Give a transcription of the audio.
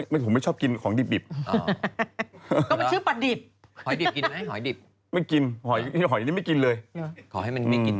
นี่ปลาของคุณที่อ่านเมื่อกี้โลเป็นพันเลยนะ